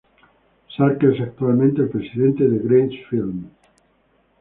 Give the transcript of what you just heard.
Sakai es actualmente el presidente de Gracie Films.